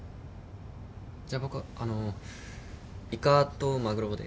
じゃ僕あのイカとマグロで。